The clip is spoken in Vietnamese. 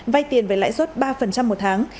vay tiền với lãi suất ba một tháng